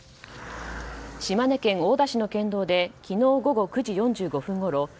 島根県大田市の県道で昨日午後９時４５分ごろ